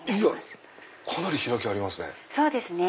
かなり開きありますね。